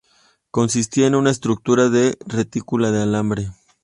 Consistía en una "estructura de retícula de alambre".